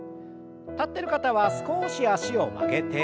立ってる方は少し脚を曲げて。